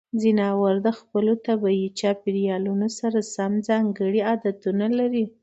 ځناور د خپلو طبیعي چاپیریالونو سره سم ځانګړې عادتونه لري.